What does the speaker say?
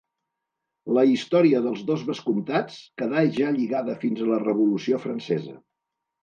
La història dels dos vescomtats quedà ja lligada fins a la Revolució Francesa.